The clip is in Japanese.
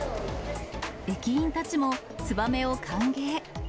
駅員たちもツバメを歓迎。